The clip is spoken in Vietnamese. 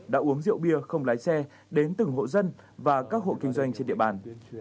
đã uống rượu bia không lái xe đến từng hộ dân và các hộ kinh doanh trên địa bàn